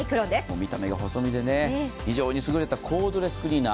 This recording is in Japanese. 見た目が細見で非常に優れたコードレスクリーナー。